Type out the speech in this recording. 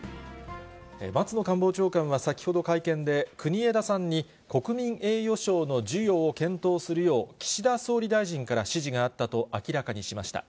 松野官房長官は先ほど会見で、国枝さんに国民栄誉賞の授与を検討するよう、岸田総理大臣から指示があったと明らかにしました。